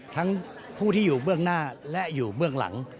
ทั้งผู้ที่อยู่เบื้องหน้าและอยู่เบื้องหลัง